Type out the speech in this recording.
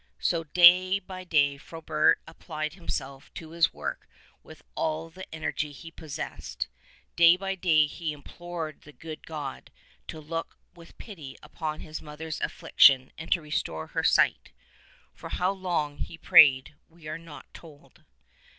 So day by day Frobert applied himself to his work with all the energy he possessed : day by day he implored the good God to look with pity upon his mother's affliction and to restore her sight. For how long he prayed we are not told.